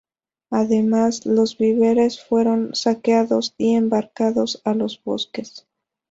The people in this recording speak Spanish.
Además, los víveres fueron saqueados y embarcados a los buques.